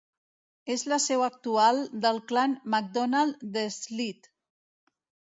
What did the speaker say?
És la seu actual del Clan Macdonald de Sleat.